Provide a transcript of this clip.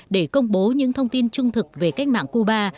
để công bố những thông tin trung thực về cách mạng cuba